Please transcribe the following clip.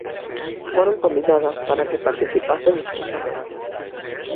Foron convidadas para que participasen expresamente.